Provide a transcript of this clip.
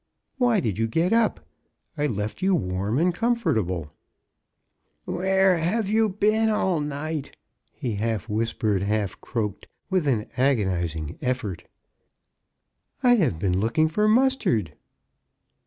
*'Why did you get up? I left you warm and comfortable." ''Where have you been all night?" he half whispered, half croaked, with an agonizing eftbrt. " I have been looking for the mustard."